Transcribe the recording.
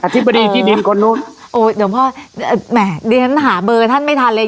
อธิบดีที่ดินคนโน้นโอ้ยเดี๋ยวผมหาเบอร์ท่านไม่ทันเลย